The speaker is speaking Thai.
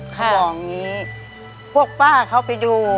เขาบอกอย่างนี้พวกป้าเขาไปดู